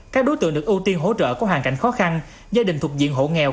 các đối tượng được ưu tiên hỗ trợ có hoàn cảnh khó khăn gia đình thuộc diện hộ nghèo